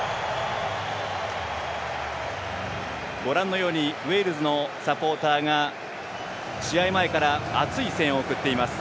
ご覧のようにウェールズのサポーターが試合前から熱い声援を送っています。